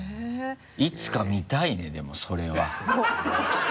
いつか見たいねでもそれは。おっ。